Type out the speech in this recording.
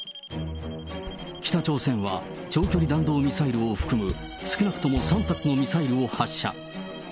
北朝鮮は、長距離弾道ミサイルを含む少なくとも３発のミサイルを発射。